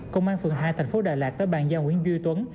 công an phường hai tp đà lạt đã bàn giao nguyễn duy tuấn